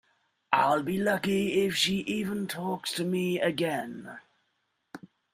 I'll be lucky if she even talks to me again.